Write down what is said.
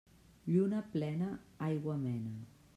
Lluna plena aigua mena.